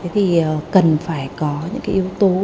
thì cần phải có những yếu tố